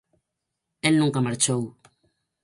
El nunca marchou.